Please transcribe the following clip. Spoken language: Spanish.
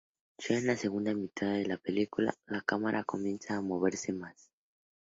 Ya en la segunda mitad de la película, la cámara comienza a moverse más.